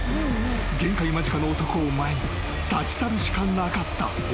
［限界間近の男を前に立ち去るしかなかった］